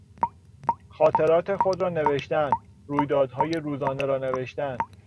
خاطرات خود را نوشتن، رویدادهای روزانه را نوشتن